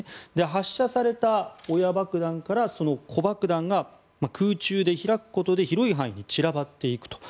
発射された親爆弾から子爆弾が空中で開くことで広い範囲に散らばっていくと。